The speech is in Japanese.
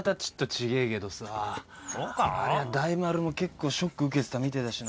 ありゃ大丸も結構ショック受けてたみてえだしな。